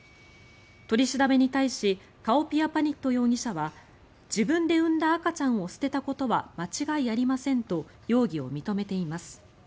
取り調べに対しカオピアパニット容疑者は自分で産んだ赤ちゃんを捨てたことは間違いありませんと容疑を認めています。